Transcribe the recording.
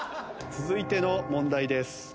続いての問題です。